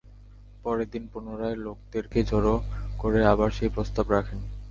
পরের দিন পুনরায় লোকদেরকে জড়ো করে আবার সেই প্রস্তাব রাখেন।